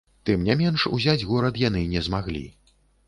Тым не менш узяць горад яны не змаглі.